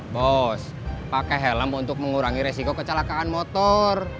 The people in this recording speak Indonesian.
bos pakai helm untuk mengurangi resiko kecelakaan motor